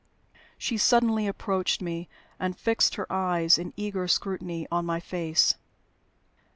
She suddenly approached me, and fixed her eyes in eager scrutiny on my face.